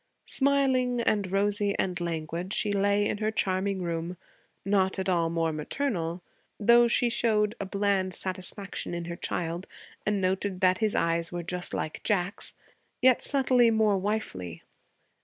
Smiling and rosy and languid, she lay in her charming room, not at all more maternal, though she showed a bland satisfaction in her child and noted that his eyes were just like Jack's, yet subtly more wifely.